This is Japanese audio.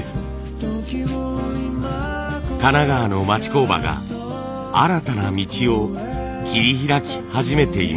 神奈川の町工場が新たな道を切り開き始めています。